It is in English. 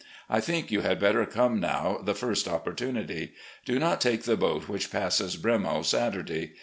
I think you had better come now the first opportunity. Do not take the boat which passes 'Bremo' Saturday.